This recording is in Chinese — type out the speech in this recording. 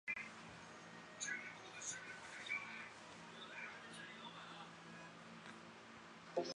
其官至北京都指挥使。